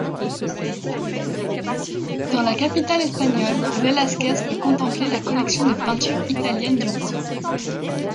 Dans la capitale espagnole, Velazquez put contempler la collection de peintures italiennes du roi.